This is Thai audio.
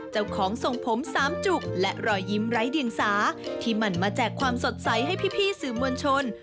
ส่งผมสามจุกและรอยยิ้มไร้เดียงสาที่มันมาแจกความสดใสให้พี่สื่อมวลชน